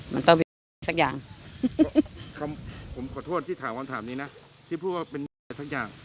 มันต้องผิดสักอย่างผมขอโทษที่ถามคำถามนี้นะที่พูดว่าเป็นอะไรสักอย่าง